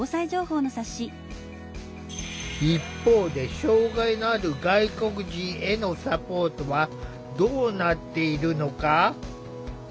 一方で障害のある外国人へのサポートはどうなっているのか。